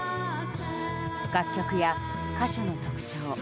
楽曲や歌手の特徴